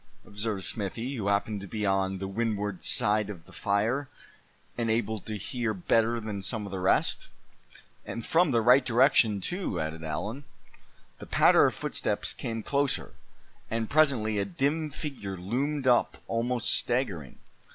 observed Smithy, who happened to be on the windward side of the fire, and able to hear better than some of the rest. "And from the right direction, too," added Allan. The patter of footsteps came closer, and presently a dim figure loomed up, almost staggering.